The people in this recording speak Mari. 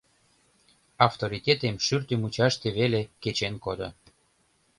Авторитетем шӱртӧ мучаште веле кечен кодо.